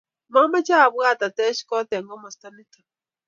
mamache a bwat a tech kot eng kimasta niton